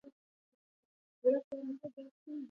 مس د افغان ځوانانو د هیلو استازیتوب کوي.